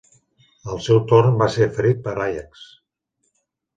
Al seu torn va ser ferit per Àiax.